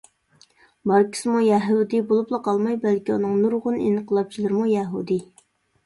ماركىسىمۇ يەھۇدىي بولۇپلا قالماي، بەلكى ئۇنىڭ نۇرغۇن ئىنقىلابچىلىرىمۇ يەھۇدىي.